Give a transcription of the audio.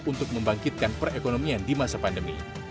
untuk membangkitkan perekonomian di masa pandemi